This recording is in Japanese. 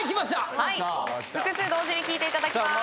はい複数同時に聴いていただきますさあ